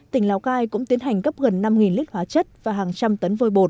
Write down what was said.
tỉnh lào cai cũng tiến hành gấp gần năm lít hóa chất